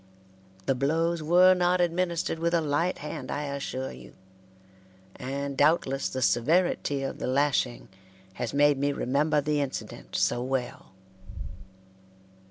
The blows were not administered with a light hand, I assure you, and doubtless the severity of the lashing has made me remember the incident so well.